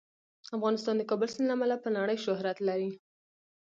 افغانستان د کابل سیند له امله په نړۍ شهرت لري.